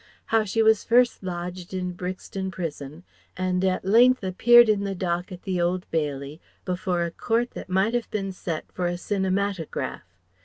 How she was first lodged in Brixton Prison and at length appeared in the dock at the Old Bailey before a Court that might have been set for a Cinematograph.